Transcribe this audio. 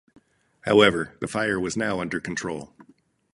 However the fire was now under control.